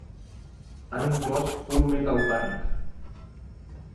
Han inclòs Full Metal Panic!